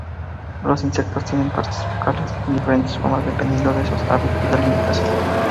Los insectos tienen partes bucales de diferentes formas dependiendo de sus hábitos de alimentación.